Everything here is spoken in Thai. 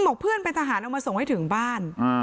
บอกเพื่อนเป็นทหารเอามาส่งให้ถึงบ้าน